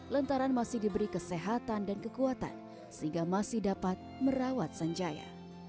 lantaran masih diberi kesehatan dan kekuatan sehingga masih dapat merawat sanjaya